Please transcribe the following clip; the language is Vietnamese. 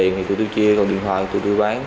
về tiền thì tụi tôi chia còn điện thoại thì tụi tôi bán